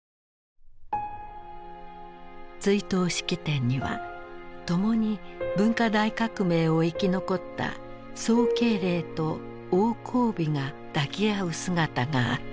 追悼式典には共に文化大革命を生き残った宋慶齢と王光美が抱き合う姿があった。